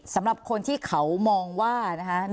สำหรับคนที่เขามองว่านะคะ